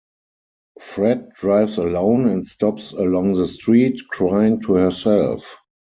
Fred drives alone and stops along the street, crying to herself.